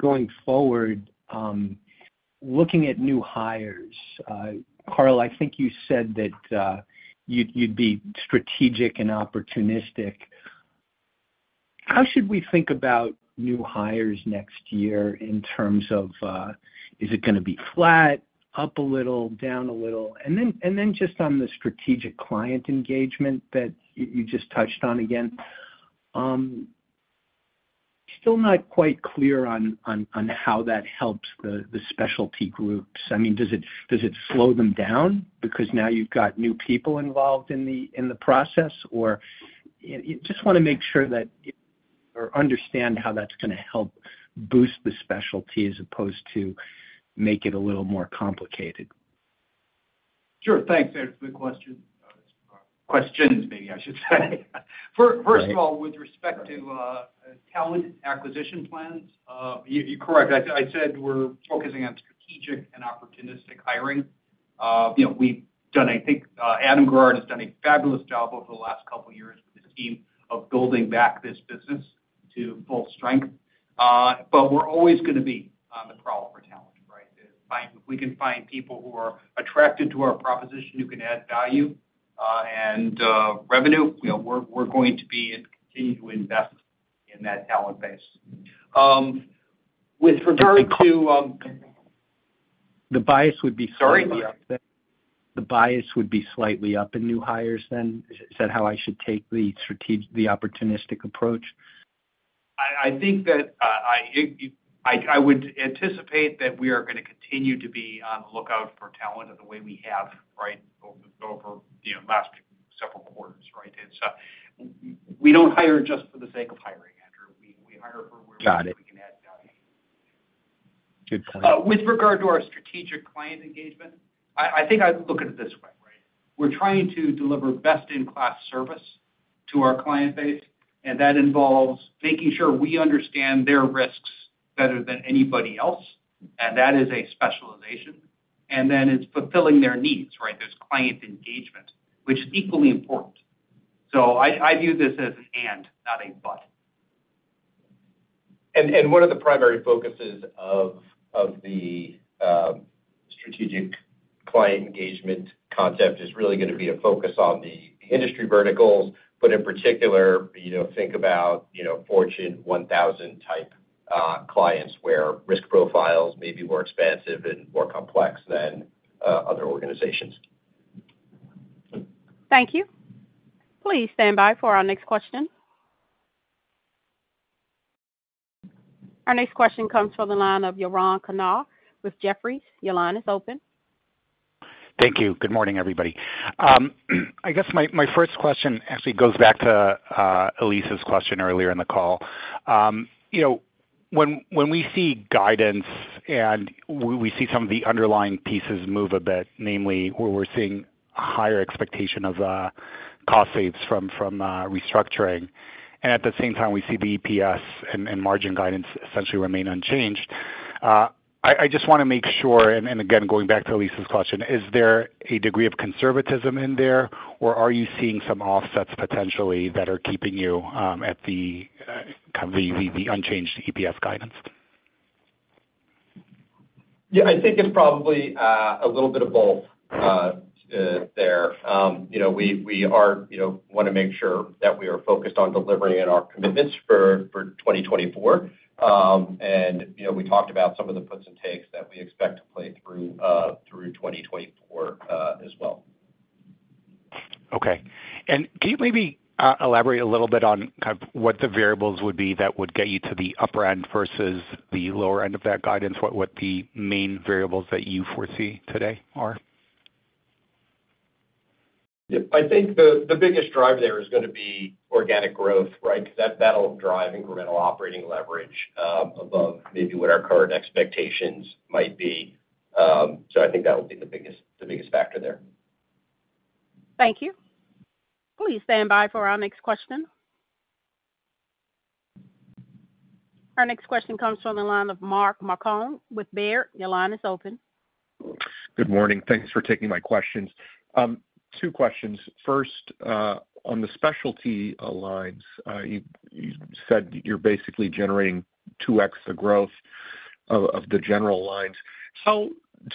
[SPEAKER 10] going forward, looking at new hires, Carl, I think you said that you'd be strategic and opportunistic. How should we think about new hires next year in terms of, is it gonna be flat, up a little, down a little? And then just on the strategic client engagement that you just touched on again, still not quite clear on how that helps the specialty groups. I mean, does it slow them down because now you've got new people involved in the process? Or I just wanna make sure that or understand how that's gonna help boost the specialty as opposed to make it a little more complicated.
[SPEAKER 2] Sure. Thanks, Andrew. Good question. Questions, maybe I should say.
[SPEAKER 10] Right.
[SPEAKER 2] First of all, with respect to talent acquisition plans, you're correct. I said we're focusing on strategic and opportunistic hiring. You know, we've done, I think, Adam Garrard has done a fabulous job over the last couple years with his team of building back this business to full strength. But we're always gonna be on the prowl for talent, right? If we can find people who are attracted to our proposition, who can add value, and revenue, you know, we're going to be and continue to invest in that talent base. With regard to,
[SPEAKER 10] The bias would be-
[SPEAKER 2] Sorry?
[SPEAKER 10] The bias would be slightly up in new hires then? Is that how I should take the opportunistic approach?
[SPEAKER 2] I think that I would anticipate that we are gonna continue to be on the lookout for talent in the way we have, right, over, over, you know, last several quarters, right? And so we don't hire just for the sake of hiring, Andrew. We hire for where-
[SPEAKER 10] Got it.
[SPEAKER 2] We can add value.
[SPEAKER 10] Good point.
[SPEAKER 2] With regard to our strategic client engagement, I think I'd look at it this way, right? We're trying to deliver best-in-class service to our client base, and that involves making sure we understand their risks better than anybody else, and that is a specialization. And then it's fulfilling their needs, right? There's client engagement, which is equally important. So I view this as an and, not a but.
[SPEAKER 3] One of the primary focuses of the strategic client engagement concept is really gonna be to focus on the industry verticals. But in particular, you know, think about, you know, Fortune 1000-type clients, where risk profiles may be more expansive and more complex than other organizations.
[SPEAKER 1] Thank you. Please stand by for our next question. Our next question comes from the line of Yaron Kinar with Jefferies. Your line is open.
[SPEAKER 11] Thank you. Good morning, everybody. I guess my first question actually goes back to Elyse's question earlier in the call. You know, when we see guidance and we see some of the underlying pieces move a bit, namely, where we're seeing higher expectation of cost saves from restructuring. And at the same time, we see the EPS and margin guidance essentially remain unchanged. I just wanna make sure, and again, going back to Elyse's question, is there a degree of conservatism in there, or are you seeing some offsets potentially that are keeping you at the kind of the unchanged EPS guidance?...
[SPEAKER 3] Yeah, I think it's probably a little bit of both there. You know, we are, you know, wanna make sure that we are focused on delivering on our commitments for 2024. You know, we talked about some of the puts and takes that we expect to play through 2024 as well.
[SPEAKER 11] Okay. And can you maybe, elaborate a little bit on kind of what the variables would be that would get you to the upper end versus the lower end of that guidance? What, what the main variables that you foresee today are?
[SPEAKER 3] Yep. I think the, the biggest driver there is gonna be organic growth, right? Because that, that'll drive incremental operating leverage, above maybe what our current expectations might be. So I think that will be the biggest, the biggest factor there.
[SPEAKER 1] Thank you. Please stand by for our next question. Our next question comes from the line of Mark Marcon with Baird. Your line is open.
[SPEAKER 12] Good morning. Thanks for taking my questions. Two questions. First, on the specialty lines, you said you're basically generating 2x the growth of the general lines.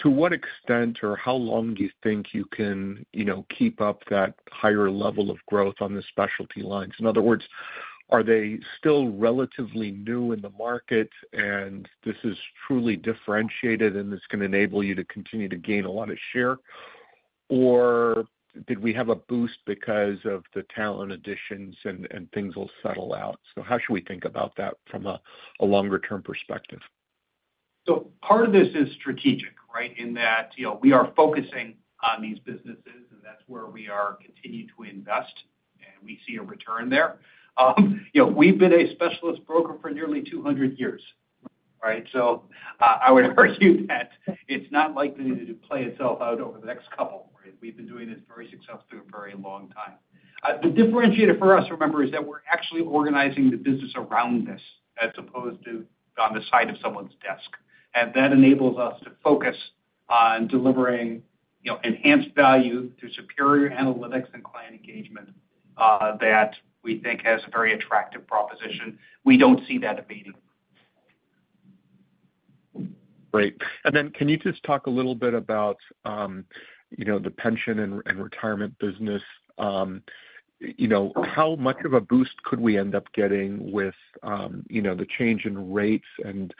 [SPEAKER 12] To what extent or how long do you think you can, you know, keep up that higher level of growth on the specialty lines? In other words, are they still relatively new in the market, and this is truly differentiated, and it's gonna enable you to continue to gain a lot of share? Or did we have a boost because of the talent additions and things will settle out? So how should we think about that from a longer-term perspective?
[SPEAKER 2] Part of this is strategic, right? In that, you know, we are focusing on these businesses, and that's where we are continuing to invest, and we see a return there. You know, we've been a specialist broker for nearly 200 years, right? I would argue that it's not likely to play itself out over the next couple, right? We've been doing this very successfully for a very long time. The differentiator for us, remember, is that we're actually organizing the business around this as opposed to on the side of someone's desk. And that enables us to focus on delivering, you know, enhanced value through superior analytics and client engagement, that we think has a very attractive proposition. We don't see that abating.
[SPEAKER 12] Great. And then, can you just talk a little bit about, you know, the pension and Retirement business? You know, how much of a boost could we end up getting with, you know, the change in rates and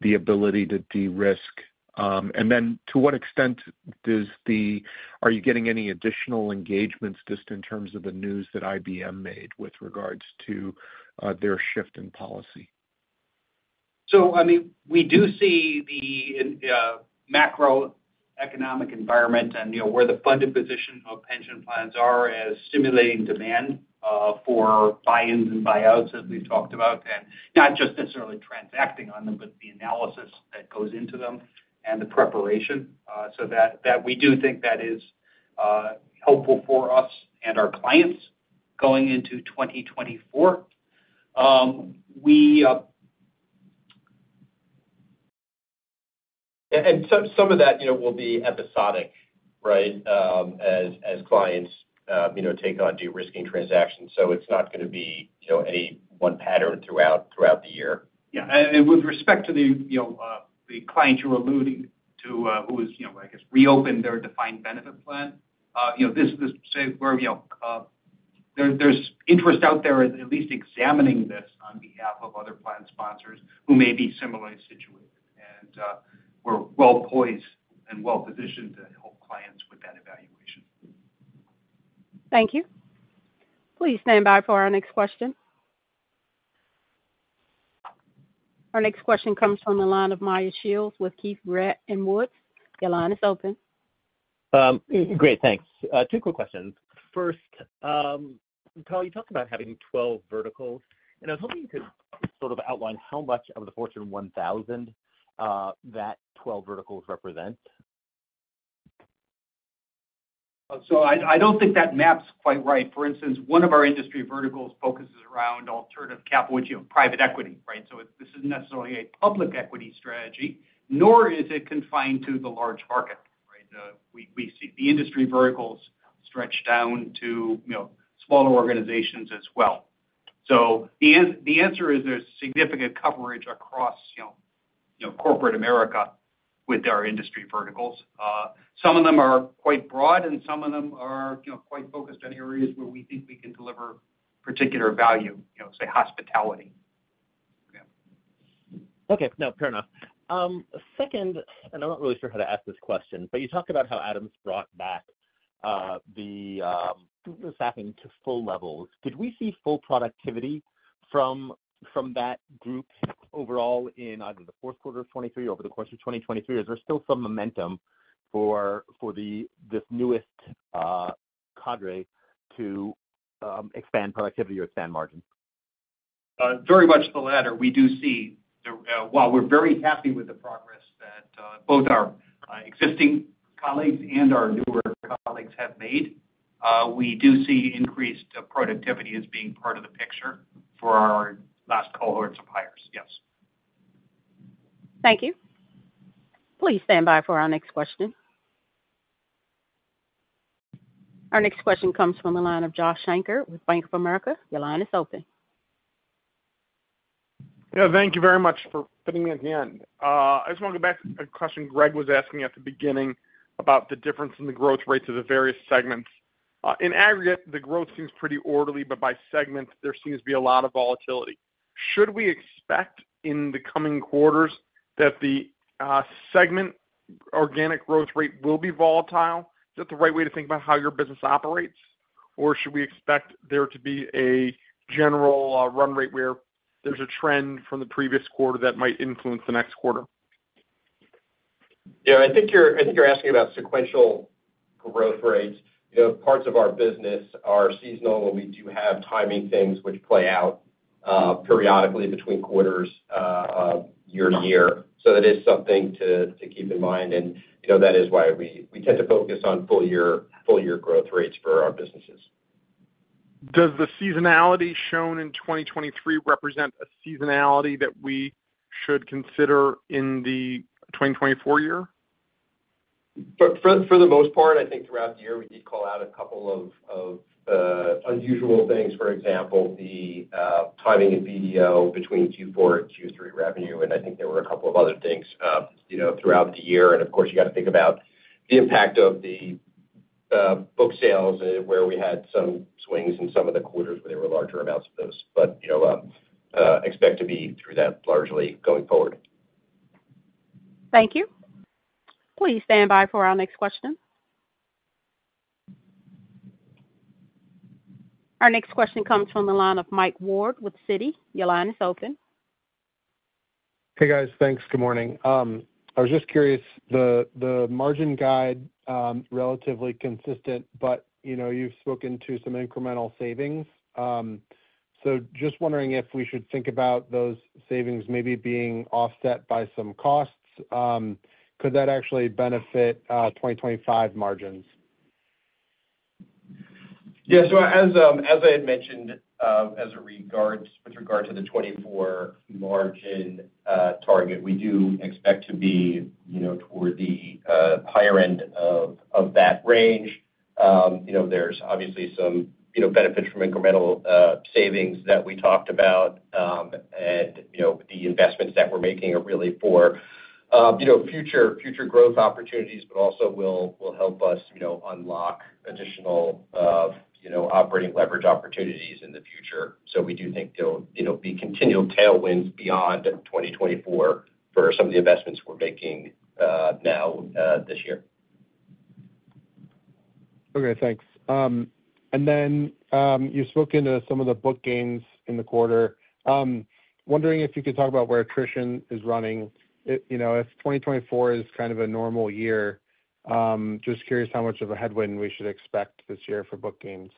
[SPEAKER 12] the ability to de-risk? And then, to what extent are you getting any additional engagements just in terms of the news that IBM made with regards to their shift in policy?
[SPEAKER 13] So, I mean, we do see the in macroeconomic environment and, you know, where the funded position of pension plans are as stimulating demand for buy-ins and buyouts, as we've talked about, and not just necessarily transacting on them, but the analysis that goes into them and the preparation. So that, that we do think that is helpful for us and our clients going into 2024. We,
[SPEAKER 12] Some of that, you know, will be episodic, right? As clients, you know, take on de-risking transactions. So it's not gonna be, you know, any one pattern throughout the year.
[SPEAKER 2] Yeah, and with respect to the, you know, the client you're alluding to, who has, you know, I guess, reopened their defined benefit plan, you know, this, this say where, you know, there's interest out there at least examining this on behalf of other plan sponsors who may be similarly situated. And, we're well poised and well positioned to help clients with that evaluation.
[SPEAKER 1] Thank you. Please stand by for our next question. Our next question comes from the line of Meyer Shields with Keefe, Bruyette & Woods. Your line is open.
[SPEAKER 14] Great, thanks. 2 quick questions. First, Carl, you talked about having 12 verticals, and I was hoping you could sort of outline how much of the Fortune 1000, that 12 verticals represent.
[SPEAKER 2] So I don't think that maps quite right. For instance, one of our industry verticals focuses around alternative capital, which, you know, private equity, right? So it, this isn't necessarily a public equity strategy, nor is it confined to the large market, right? We see the industry verticals stretch down to, you know, smaller organizations as well. So the answer is there's significant coverage across, you know, corporate America with our industry verticals. Some of them are quite broad, and some of them are, you know, quite focused on areas where we think we can deliver particular value, you know, say, hospitality. Yeah.
[SPEAKER 14] Okay. No, fair enough. Second, and I'm not really sure how to ask this question, but you talked about how Adam's brought back the staffing to full levels. Could we see full productivity from that group overall in either the fourth quarter of 2023 or over the course of 2023? Is there still some momentum for this newest cadre to expand productivity or expand margin?
[SPEAKER 2] Very much the latter. We do see the... While we're very happy with the progress that both our existing colleagues and our newer colleagues have made, we do see increased productivity as being part of the picture for our last cohort hires. Yes.
[SPEAKER 1] Thank you. Please stand by for our next question. Our next question comes from the line of Josh Shanker with Bank of America. Your line is open.
[SPEAKER 15] Yeah, thank you very much for putting me in. I just want to go back to a question Greg was asking at the beginning about the difference in the growth rates of the various segments. In aggregate, the growth seems pretty orderly, but by segment, there seems to be a lot of volatility. Should we expect in the coming quarters that the segment organic growth rate will be volatile? Is that the right way to think about how your business operates? Or should we expect there to be a general run rate where there's a trend from the previous quarter that might influence the next quarter?
[SPEAKER 3] Yeah, I think you're asking about sequential growth rates. You know, parts of our business are seasonal, and we do have timing things which play out periodically between quarters year-to-year. So that is something to keep in mind. And, you know, that is why we tend to focus on full year, full year growth rates for our businesses.
[SPEAKER 15] Does the seasonality shown in 2023 represent a seasonality that we should consider in the 2024 year?
[SPEAKER 3] For the most part, I think throughout the year, we did call out a couple of unusual things. For example, the timing of BDO between Q4 and Q3 revenue, and I think there were a couple of other things, you know, throughout the year. And of course, you got to think about the impact of the book sales, where we had some swings in some of the quarters where there were larger amounts of those. But, you know, expect to be through that largely going forward.
[SPEAKER 1] Thank you. Please stand by for our next question. Our next question comes from the line of Mike Ward with Citi. Your line is open.
[SPEAKER 16] Hey, guys. Thanks. Good morning. I was just curious, the margin guide relatively consistent, but, you know, you've spoken to some incremental savings. So just wondering if we should think about those savings maybe being offset by some costs. Could that actually benefit 2025 margins?
[SPEAKER 3] Yeah, so as I had mentioned, with regard to the 2024 margin target, we do expect to be, you know, toward the higher end of that range. You know, there's obviously some, you know, benefits from incremental savings that we talked about, and, you know, the investments that we're making are really for, you know, future growth opportunities, but also will help us, you know, unlock additional, you know, operating leverage opportunities in the future. So we do think there'll, you know, be continual tailwinds beyond 2024 for some of the investments we're making, now, this year.
[SPEAKER 16] Okay, thanks. And then, you spoke into some of the book gains in the quarter. Wondering if you could talk about where attrition is running. You know, if 2024 is kind of a normal year, just curious how much of a headwind we should expect this year for book gains.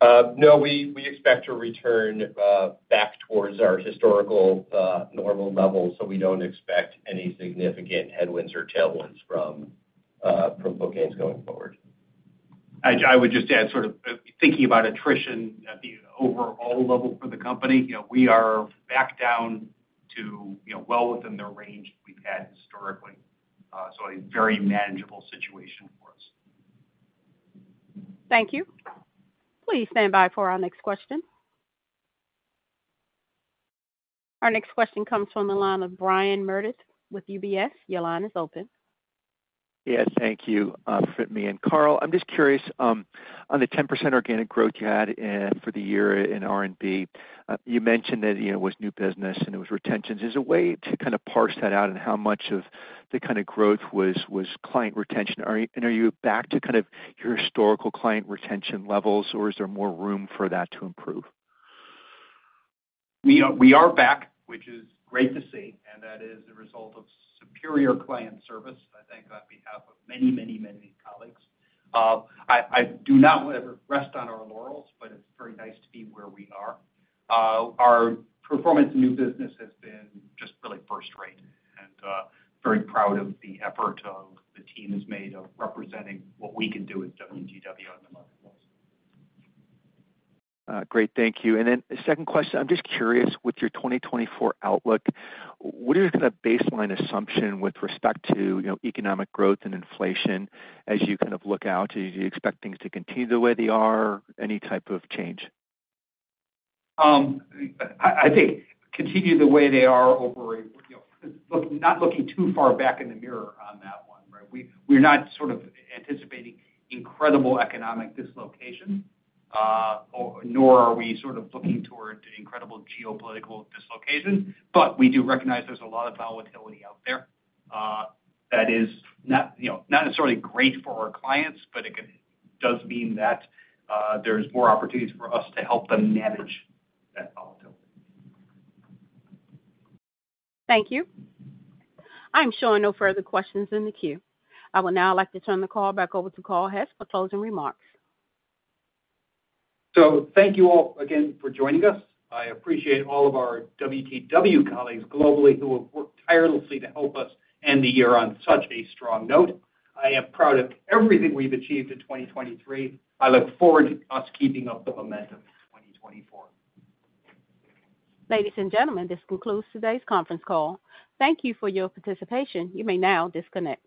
[SPEAKER 3] No, we expect to return back towards our historical normal levels, so we don't expect any significant headwinds or tailwinds from book gains going forward.
[SPEAKER 2] I would just add, sort of, thinking about attrition at the overall level for the company, you know, we are back down to, you know, well within the range we've had historically. So a very manageable situation for us.
[SPEAKER 1] Thank you. Please stand by for our next question. Our next question comes from the line of Brian Meredith with UBS. Your line is open.
[SPEAKER 17] Yes, thank you for fitting me in. Carl, I'm just curious on the 10% organic growth you had for the year in R&B. You mentioned that, you know, it was new business and it was retention. Is there a way to kind of parse that out and how much of the kind of growth was, was client retention? Are you-- and are you back to kind of your historical client retention levels, or is there more room for that to improve?
[SPEAKER 2] We are, we are back, which is great to see, and that is a result of superior client service, I think, on behalf of many, many, many colleagues. I, I do not want to rest on our laurels, but it's very nice to be where we are. Our performance in new business has been just really first rate, and very proud of the effort of the team has made of representing what we can do at WTW in the marketplace.
[SPEAKER 17] Great. Thank you. And then second question, I'm just curious, with your 2024 outlook, what are your kind of baseline assumption with respect to, you know, economic growth and inflation as you kind of look out? Do you expect things to continue the way they are? Any type of change?
[SPEAKER 2] I think continue the way they are, you know, not looking too far back in the mirror on that one, right? We're not sort of anticipating incredible economic dislocation, or nor are we sort of looking toward incredible geopolitical dislocations, but we do recognize there's a lot of volatility out there, that is not, you know, not necessarily great for our clients, but it does mean that, there's more opportunities for us to help them manage that volatility.
[SPEAKER 1] Thank you. I'm showing no further questions in the queue. I would now like to turn the call back over to Carl Hess for closing remarks.
[SPEAKER 2] Thank you all again for joining us. I appreciate all of our WTW colleagues globally who have worked tirelessly to help us end the year on such a strong note. I am proud of everything we've achieved in 2023. I look forward to us keeping up the momentum in 2024.
[SPEAKER 1] Ladies and gentlemen, this concludes today's conference call. Thank you for your participation. You may now disconnect.